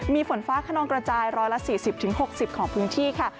มีฝนฟ้าขนองกระจาย๑๔๐๖๐ของพื้นที่ค่ะ